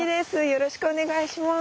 よろしくお願いします。